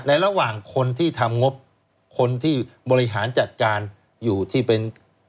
ระหว่างคนที่ทำงบคนที่บริหารจัดการอยู่ที่เป็น